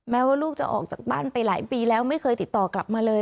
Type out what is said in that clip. ว่าลูกจะออกจากบ้านไปหลายปีแล้วไม่เคยติดต่อกลับมาเลย